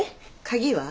鍵は。